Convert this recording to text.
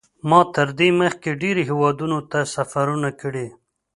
ما تر دې مخکې ډېرو هېوادونو ته سفرونه کړي.